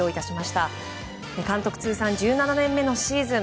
通算１７年目のシーズン